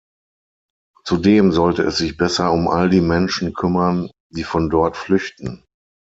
Zudem sollte es sich besser um all die Menschen kümmern, die von dort flüchten.